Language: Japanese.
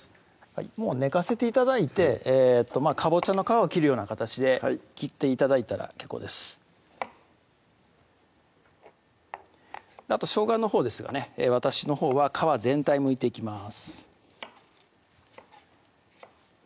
もう寝かせて頂いてかぼちゃの皮を切るような形で切って頂いたら結構ですあとしょうがのほうですがね私のほうは皮全体むいていきます